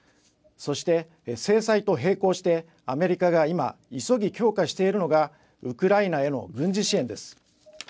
そして、制裁と並行してアメリカが今急ぎ強化しているのがウクライナへの軍事支援です。